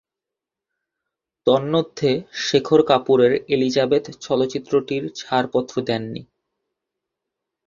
তন্মধ্যে শেখর কাপুরের এলিজাবেথ চলচ্চিত্রটির ছাড়পত্র দেননি।